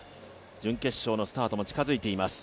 準決勝のスタートも近づいています。